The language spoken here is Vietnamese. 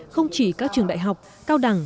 không chỉ các trường đại học cao đẳng